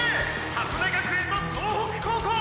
箱根学園と総北高校！！